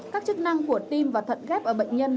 các chức năng của tim và thận ghép ở bệnh nhân